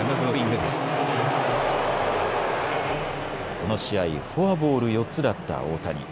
この試合、フォアボール４つだった大谷。